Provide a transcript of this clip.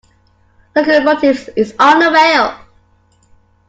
Locomotive is on the rail!